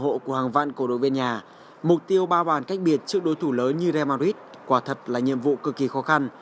họ sẽ được ủng hộ của hàng vạn cổ đội bên nhà mục tiêu bao bàn cách biệt trước đối thủ lớn như real madrid quả thật là nhiệm vụ cực kỳ khó khăn